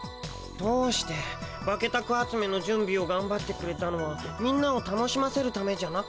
どうしてバケタク集めのじゅんびをがんばってくれたのはみんなを楽しませるためじゃなかったの？